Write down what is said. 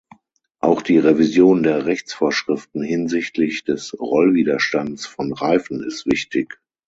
Auch die Revision der Rechtsvorschriften hinsichtlich des Rollwiderstands von Reifen ist wichtig.